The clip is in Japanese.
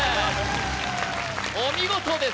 お見事です